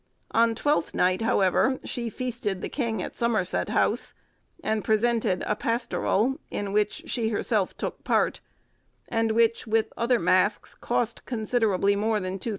On Twelfth Night however she feasted the king at Somerset House, and presented a pastoral, in which she herself took part, and which, with other masks, cost considerably more than £2000.